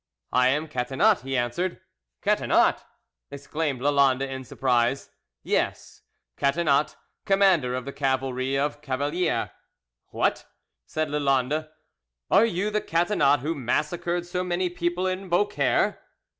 "I am Catinat," he answered. "Catinat!" exclaimed Lalande in surprise. "Yes, Catinat, commander of the cavalry of Cavalier." "What!" said Lalande, "are you the Catinat who massacred so many people in Beaucaire?"